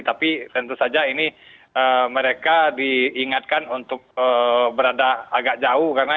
tapi tentang itu saja ini mereka diingatkan untuk berada agak jauh karena